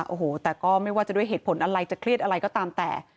โอ้โหแต่ก็ไม่ว่าจะด้วยเหตุผลอะไรจะเครียดอะไรก็ตามแต่